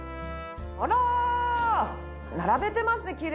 あら並べてますね